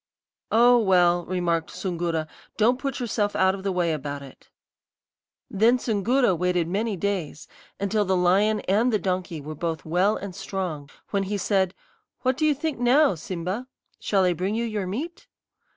"'Oh, well,' remarked Soongoora; 'don't put yourself out of the way about it.' "Then Soongoora waited many days, until the lion and the donkey were both well and strong, when he said: 'What do you think now, Simba? Shall I bring you your meat?'